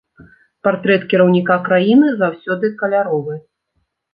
Партрэт кіраўніка краіны заўсёды каляровы.